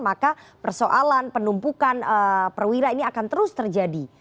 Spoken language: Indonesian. maka persoalan penumpukan perwira ini akan terus terjadi